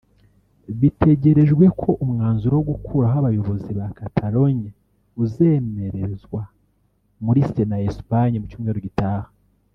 Bitegerejwe ko umwanzuro wo gukuraho abayobozi ba Catalogne uzemerezwa muri Sena ya Espagne mu cyumweru gitaha